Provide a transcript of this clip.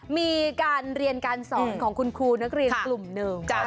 มีการเรียนการสอนของคุณครูนักเรียนกลุ่มหนึ่ง